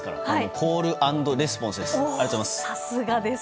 コール＆レスポンスです。